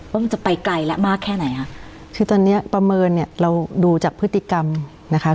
ว่ามันจะไปไกลแล้วมากแค่ไหนคะคือตอนเนี้ยประเมินเนี่ยเราดูจากพฤติกรรมนะคะ